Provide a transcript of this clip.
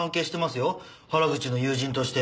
原口の友人として。